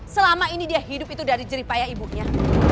selama ini dia hidup itu dari jeripaya ibunya